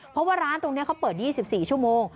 เพราะว่าร้านตรงนี้เขาเปิด๒๔ชั่วโมง